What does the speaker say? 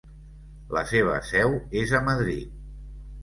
La seva seu és a Madrid.